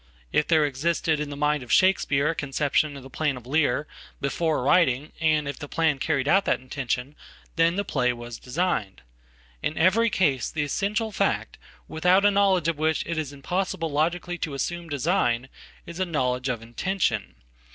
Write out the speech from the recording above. If there existed in the mind ofShakespeare a conception of the plan of Lear before writing, and ifthe play carried out that intention, then the play was designed. Inevery case the essential fact, without a knowledge of which it isimpossible logically to assume design, is a knowledge of intention.